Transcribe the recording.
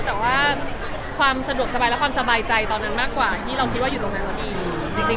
แต่ว่าความสะดวกสบายและความสบายใจตอนนั้นมากกว่าที่เราคิดว่าอยู่ตรงนั้นพอดี